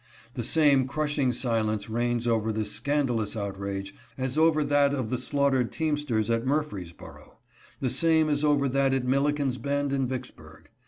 The same crushing silence reigns over this scandalous outrage as over that of the slaughtered teamsters at Murfreesboro ; the same as over that at Milliken's Bend and Vicksburg.